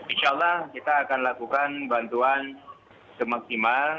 insya allah kita akan lakukan bantuan semaksimal